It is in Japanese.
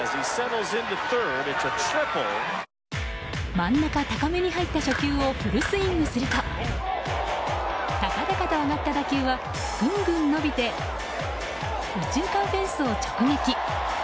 真ん中高めに入った初球をフルスイングすると高々と上がった打球はぐんぐん伸びて右中間フェンスを直撃。